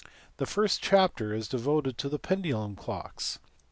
The first chapter is devoted to pendulum clocks.